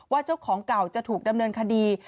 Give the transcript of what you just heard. เจ้าของเก่าจะถูกดำเนินคดี